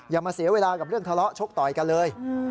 อย่ามาเสียเวลากับเรื่องทะเลาะชกต่อยกันเลย